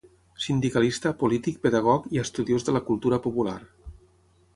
Sindicalista, polític, pedagog i estudiós de la cultura popular.